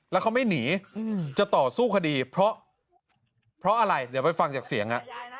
แล้วเขาไม่หนีจะต่อสู้คดีเพราะเพราะอะไรเดี๋ยวไปฟังจากเสียง